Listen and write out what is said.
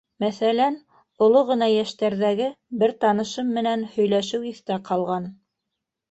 Мәҫәлән, оло ғына йәштәрҙәге бер танышым менән һөйләшеү иҫтә ҡалған.